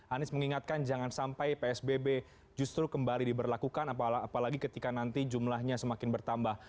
anies mengingatkan jangan sampai psbb justru kembali diberlakukan apalagi ketika nanti jumlahnya semakin bertambah